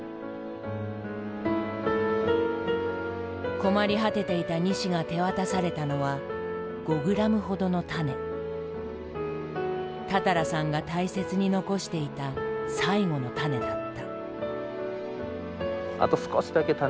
困り果てていた西が手渡されたのは多々良さんが大切に残していた最後の種だった。